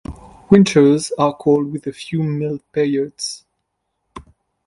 Winters are cold with a few mild periods.